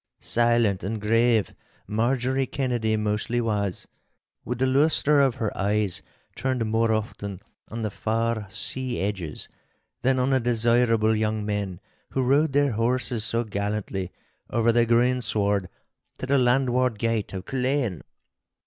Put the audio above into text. Silent and grave Marjorie Kennedy mostly was, with the lustre of her eyes turned more often on the far sea edges, than on the desirable young men who rode their horses so gallantly over the greensward to the landward gate of Culzean.